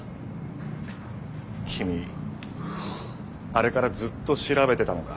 君あれからずっと調べてたのか？